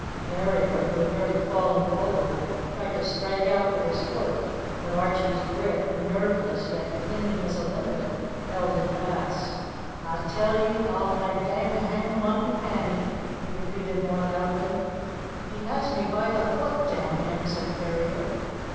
Ferrier, who had nearly fallen forward, tried to strike out with his foot, but Archie's grip, nerveless yet clinging as a limpet, held him fast. "A' tell ye, a'll nae gang hame wantin' Annie!" he repeated more loudly. "He has me by the foot, damn him!" said Ferrier.